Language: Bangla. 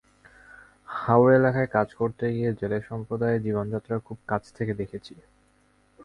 হাওর এলাকায় কাজ করতে গিয়ে জেলে সম্প্রদায়ের জীবনযাত্রা খুব কাছ থেকে দেখেছি।